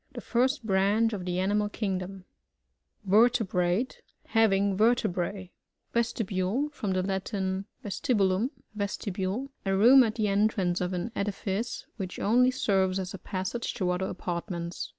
The first branch of the Animal kingdom. VmTKiHiATB.— Having TertebrsB. VssTiBDLE — From the Latin, oesfi bulum^ vcBtibale. A room at the entrance of an edifice, which only serres as a passage to other apart ments.